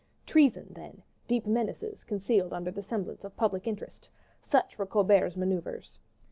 Treason, then deep menaces, concealed under the semblance of public interest such were Colbert's maneuvers.